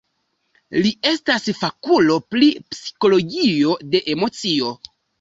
Li estas fakulo pri psikologio de emocio.